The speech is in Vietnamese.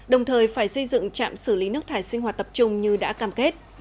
đồng thời phải xây dựng trạm xử lý nước thải sinh hoạt tập trung như đã cam kết